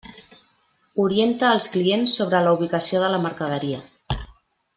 Orienta els clients sobre la ubicació de la mercaderia.